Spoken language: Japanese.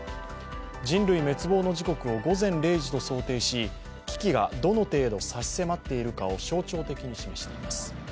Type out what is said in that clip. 人類滅亡の時刻を午前０時と想定し危機がどの程度差し迫っているのかを象徴的に示しています。